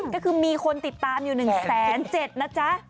ก็คือมีคนติดตามอยู่๑๗๐๐นะจ๊ะ